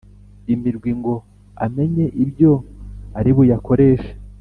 imirwi ngo amenye ibyo aribuyakoreshe.